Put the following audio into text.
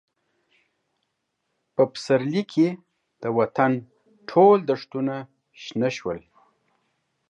په پسرلي کې د وطن ټول دښتونه شنه شول.